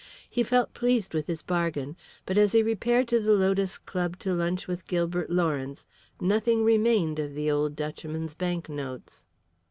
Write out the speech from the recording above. He felt pleased with his bargain, but as he repaired to the Lotus Club to lunch with Gilbert Lawrence nothing remained of the old Dutchman's banknotes.